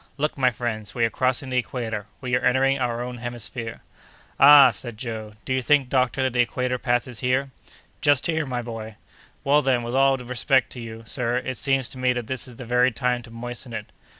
Look, my friends, we are crossing the equator! We are entering our own hemisphere!" "Ah!" said Joe, "do you think, doctor, that the equator passes here?" "Just here, my boy!" "Well, then, with all respect to you, sir, it seems to me that this is the very time to moisten it."